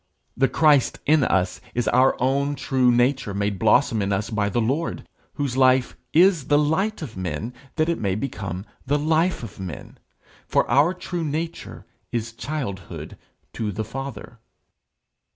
The Christ in us is our own true nature made blossom in us by the Lord, whose life is the light of men that it may become the life of men; for our true nature is childhood to the Father.